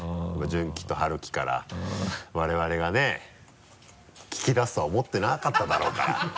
ジュンキとハルキから我々がね聞き出すとは思ってなかっただろうから。